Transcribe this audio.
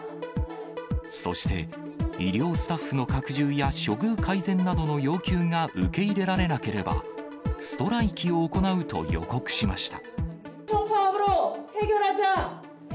そして、医療スタッフの拡充や処遇改善などの要求が受け入れられなければ、ストライキを行うと予告しました。